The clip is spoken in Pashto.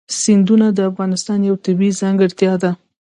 سیندونه د افغانستان یوه طبیعي ځانګړتیا ده.